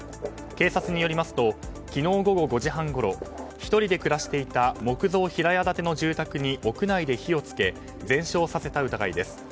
警察によりますと昨日午後５時半ごろ１人で暮らしていた木造平屋建ての住宅に屋内で火を付け全焼させた疑いです。